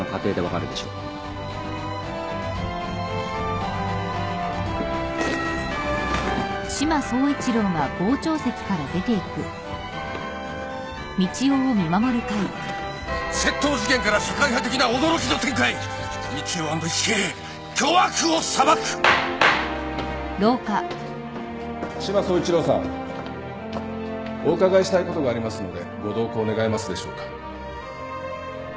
お伺いしたいことがありますのでご同行願えますでしょうか。